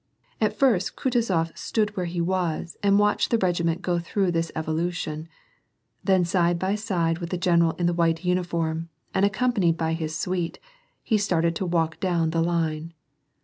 At first Kutuzof stood where he was and watched the regi ment go through this evolution, then side by side with the general in the white uniform, and accompanied by his suite, he started to walk down the line.